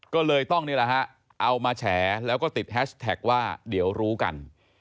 ก็เลยต้องนี่แหละฮะเอามาแฉแล้วก็ติดแฮชแท็กว่าเดี๋ยวรู้กัน